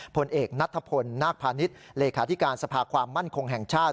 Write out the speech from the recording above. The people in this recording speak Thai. ผลเอกนัทพลนาคพาณิชย์เลขาธิการสภาความมั่นคงแห่งชาติ